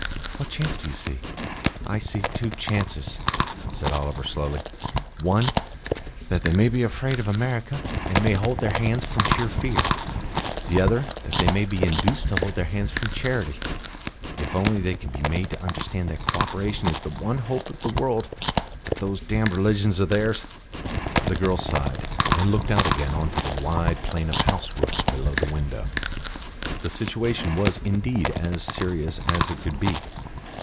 "What chance do you see?" "I see two chances," said Oliver slowly: "one, that they may be afraid of America, and may hold their hands from sheer fear; the other that they may be induced to hold their hands from charity; if only they can be made to understand that co operation is the one hope of the world. But those damned religions of theirs " The girl sighed, and looked out again on to the wide plain of house roofs below the window. The situation was indeed as serious as it could be.